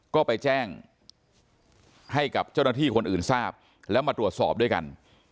ก็ไปแจ้งให้กับเจ้าหน้าที่คนอื่นทราบแล้วมาตรวจสอบด้วยกัน